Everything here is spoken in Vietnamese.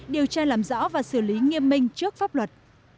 điều tra làm rõ và xử lý nghiêm minh trước pháp luật